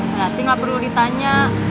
berarti gak perlu ditanya